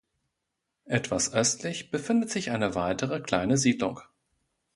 Etwas östlich befindet sich eine weitere kleine Siedlung.